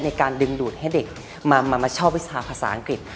ในการดึงดูดให้เด็กมาชอบวิชาภาษาอังกฤษ